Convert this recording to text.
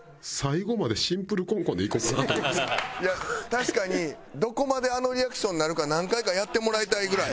確かにどこまであのリアクションになるか何回かやってもらいたいぐらい。